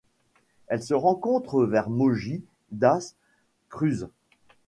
Elle se rencontre vers Mogi das Cruzes.